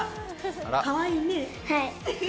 かわいいね。